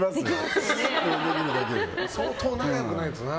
相当、仲良くないとな。